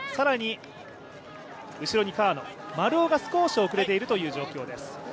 更に後ろに川野、丸尾が少し遅れているという状況です。